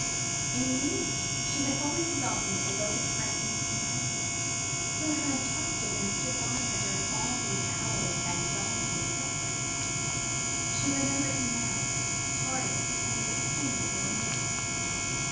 Indeed, she had wholly forgotten the devoted friend and companion, who had trusted and stood by her during all these hours of anxiety and suffering. She remembered him now, tardily and with a pang of remorse.